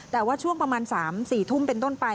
แต่ว่าช่วงประมาณ๓๔ทุ่มเป็นต้นไป